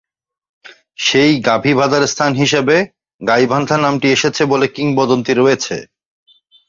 সেই গাভী বাধার স্থান হিসাবে গাইবান্ধা নামটি এসেছে বলে কিংবদন্তী রয়েছে।